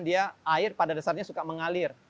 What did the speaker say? dia air pada dasarnya suka mengalir